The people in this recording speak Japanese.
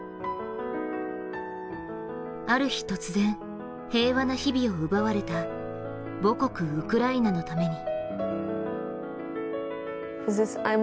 ある日突然、平和な日々を奪われた母国ウクライナのために。